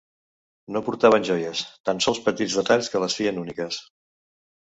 No portaven joies, tan sols petits detalls que les feien úniques.